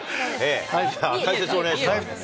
解説お願いします。